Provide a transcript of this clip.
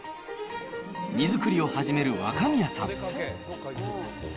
荷造りを始める若宮さん。